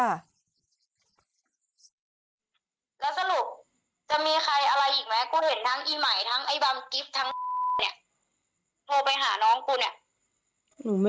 หาน้องกูเนี่ย